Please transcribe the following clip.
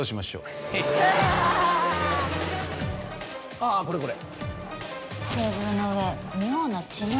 あぁこれこれ。